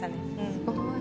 すごい。